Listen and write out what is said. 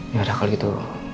yaudah kalau gitu